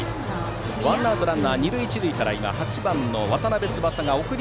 ワンアウトランナー、二塁一塁から８番の渡邉翼が送り